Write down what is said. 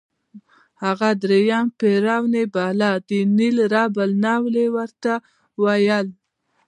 هغه درېیم فرعون یې باله، د نېل رب النوع یې ورته ویل.